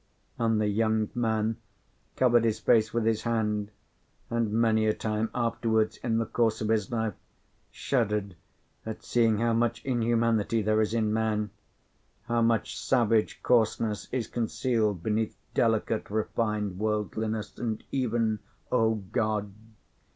And the young man covered his face with his hand; and many a time afterwards, in the course of his life, shuddered at seeing how much inhumanity there is in man, how much savage coarseness is concealed beneath delicate, refined worldliness, and even, O God!